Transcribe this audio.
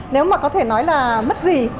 nếu mà có thể nói là mất gì